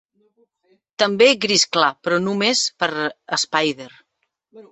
També gris clar, però només per a Spider.